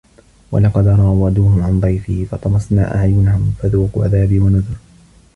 وَلَقَد راوَدوهُ عَن ضَيفِهِ فَطَمَسنا أَعيُنَهُم فَذوقوا عَذابي وَنُذُرِ